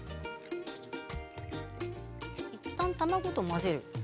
いったん卵と混ぜる。